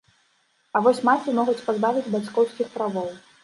А вось маці могуць пазбавіць бацькоўскіх правоў.